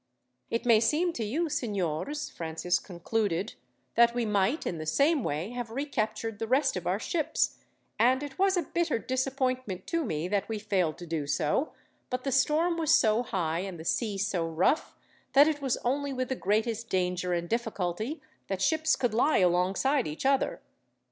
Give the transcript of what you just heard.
"It may seem to you, signors," Francis concluded, "that we might, in the same way, have recaptured the rest of our ships, and it was a bitter disappointment to me that we failed to do so; but the storm was so high, and the sea so rough, that it was only with the greatest danger and difficulty that ships could lie alongside each other.